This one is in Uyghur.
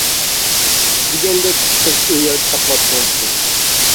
دېگەندەك قىز ئۇ يەردە ساقلاپ تۇراتتى.